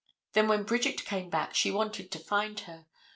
Then when Bridget came back she wanted to find her.